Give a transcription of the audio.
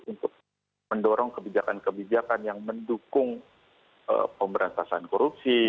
untuk mendorong kebijakan kebijakan yang mendukung pemberantasan korupsi